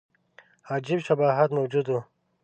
عجیب شباهت موجود وو.